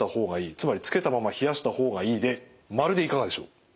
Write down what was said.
つまりつけたまま冷やした方がいいで○でいかがでしょう。